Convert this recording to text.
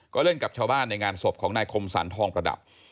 ก็เล่นกับชาวบ้านในงานศพของนายคมสรรทองประดับ